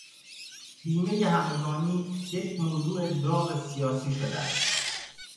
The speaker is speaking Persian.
بیمهی همگانی یک موضوع داغ سیاسی شده است.